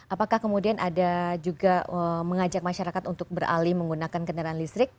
apakah kemudian ada juga mengajak masyarakat untuk beralih menggunakan kendaraan listrik